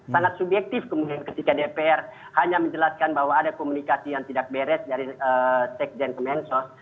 sangat subjektif kemudian ketika dpr hanya menjelaskan bahwa ada komunikasi yang tidak beres dari sekjen kemensos